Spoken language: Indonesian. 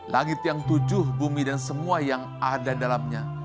langit yang tujuh bumi dan semua yang ada dalamnya